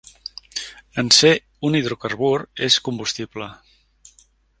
En ser un hidrocarbur, és combustible.